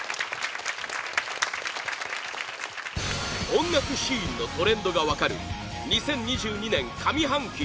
音楽シーンのトレンドが分かる２０２２年上半期